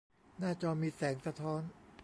หน้าจอมีแสงสะท้อน